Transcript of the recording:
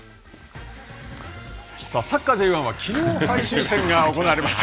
サッカーＪ１はきのう最終戦が行われました。